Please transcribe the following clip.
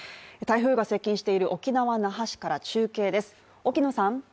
台風が接近している沖縄・那覇市から中継です。